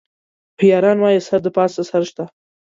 هوښیاران وایي: سر د پاسه سر شته.